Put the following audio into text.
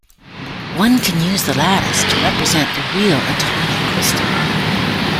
One can use the lattice to represent the real atomic crystal.